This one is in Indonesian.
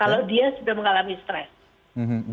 kalau dia sudah mengalami stres